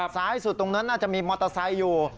ซ้ายสุดตรงนั้นน่าจะมีมอเตอร์ไซค์อยู่